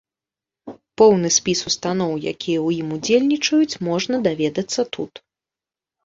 Поўны спіс устаноў, якія ў ім удзельнічаюць, можна даведацца тут.